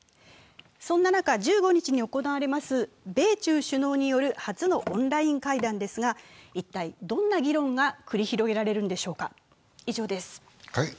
そんな中、１５日に行われます米中首脳による初のオンライン会談ですが一体どんな議論が繰り広げられるんでしょうか。